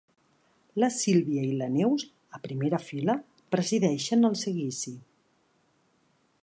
La Sílvia i la Neus, a primera fila, presideixen el seguici.